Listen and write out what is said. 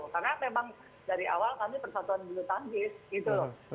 karena memang dari awal kami persatuan dulu tanggis gitu loh